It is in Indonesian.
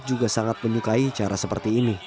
juga sangat menyukai cara seperti ini